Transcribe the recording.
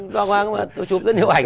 toa khoang tôi chụp rất nhiều hành